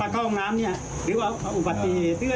มาเข้าห้องน้ำเนี่ยหรือว่าอุบัติเหตุเป็นอะไรในห้องน้ำเปล่านะ